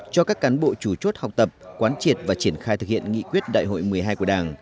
cho các cán bộ chủ chốt học tập quán triệt và triển khai thực hiện nghị quyết đại hội một mươi hai của đảng